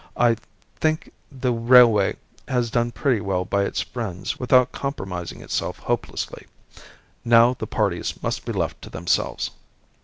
I think the railway has done pretty well by its friends without compromising itself hopelessly. Now the parties must be left to themselves."